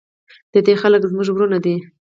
د دې خلک زموږ ورونه دي